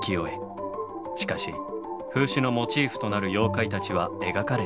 しかし風刺のモチーフとなる妖怪たちは描かれていません。